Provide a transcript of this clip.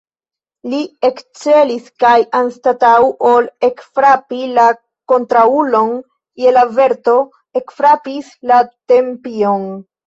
Li ekcelis kaj, anstataŭ ol ekfrapi la kontraŭulon je la verto, ekfrapis la tempion.